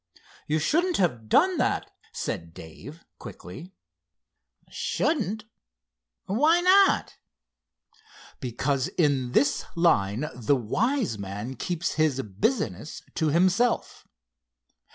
"You shouldn't have done that," said Dave, quickly. "Shouldn't—why not?" "Because in this line the wise man keeps his business to himself.